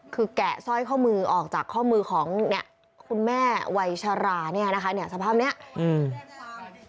คือแกะสร้อยข้อมือออกจากข้อมือของเนี้ยคุณแม่วัยชราเนี้ยนะคะเนี่ยสภาพเนี้ยอืม